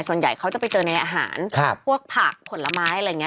ส่วนใหญ่เขาจะไปเจอในอาหารพวกผักผลไม้อะไรอย่างนี้